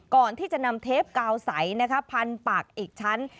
ก่อนที่จะนำเทปกาวใสพันปากอีกชั้น